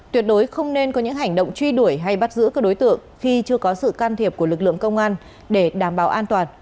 tuyệt đối không nên có những hành động truy đuổi hay bắt giữ các đối tượng khi chưa có sự can thiệp của lực lượng công an để đảm bảo an toàn